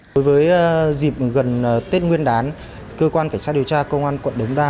đối với dịp gần tết nguyên đán cơ quan cảnh sát điều tra công an quận đống đa